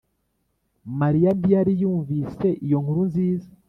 mariya ntiyari yumvise iyo nkuru nziza